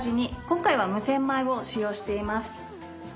今回は無洗米を使用しています。